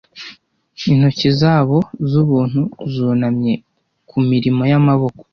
intoki zabo z'ubuntu zunamye ku mirimo y'amaboko